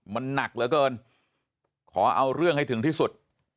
มันหนักเหลือเกินขอเอาเรื่องให้ถึงที่สุด